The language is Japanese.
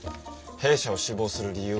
弊社を志望する理由は？